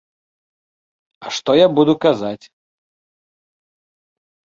А што я буду казаць?